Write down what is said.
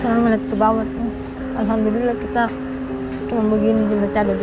selamat ke bawah alhamdulillah kita cuma begini juga ada di